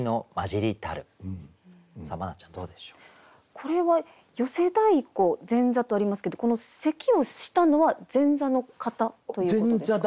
これは「寄席太鼓」「前座」とありますけどこの咳をしたのは前座の方ということですか？